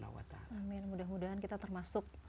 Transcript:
mudah mudahan kita termasuk